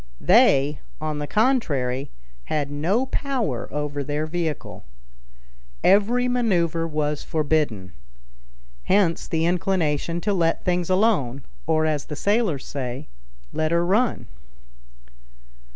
They, on the contrary, had no power over their vehicle. Every maneuver was forbidden. Hence the inclination to let things alone, or as the sailors say, "let her run."